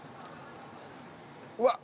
うわっ